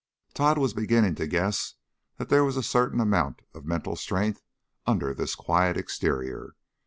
Tod was beginning to guess that there was a certain amount of mental strength under this quiet exterior.